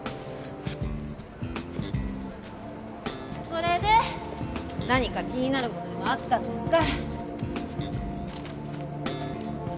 それで何か気になるものでもあったんですか？